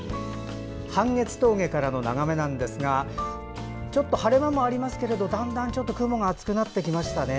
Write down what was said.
半月峠からの眺めなんですがちょっと晴れ間もありますがだんだん雲が厚くなってきましたね。